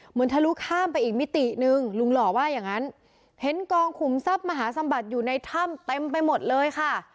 ทะลุข้ามไปอีกมิติหนึ่งลุงหล่อว่าอย่างนั้นเห็นกองขุมทรัพย์มหาสมบัติอยู่ในถ้ำเต็มไปหมดเลยค่ะ